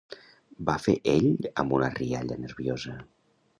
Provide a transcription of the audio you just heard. —va fer ell amb una rialla nerviosa